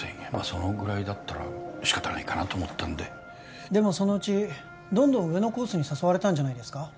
そのぐらいだったら仕方ないかなと思ったんででもそのうちどんどん上のコースに誘われたんじゃないですか？